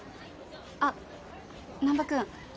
あっ難破君。